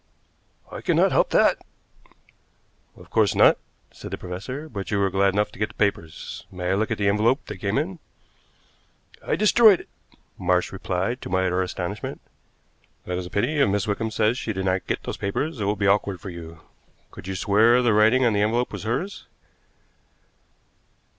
"I cannot help that." "Of course not," said the professor, "but you were glad enough to get the papers. May I look at the envelope they came in?" "I destroyed it," Marsh replied to my utter astonishment. "That is a pity. If Miss Wickham says she did not get those papers, it will be awkward for you. Could you swear the writing on the envelope was hers?"